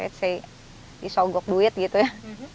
disogok duit gitu ya